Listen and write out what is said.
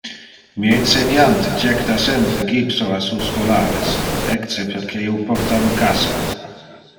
Mi inseniante jecta sempre gypso a su scholares, ecce perque io porta un casco.